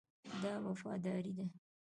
دا وفاداري ده.